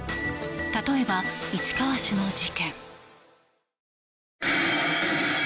例えば、市川市の事件。